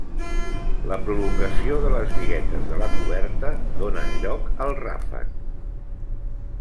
La prolongació de les biguetes de la coberta donen lloc al ràfec.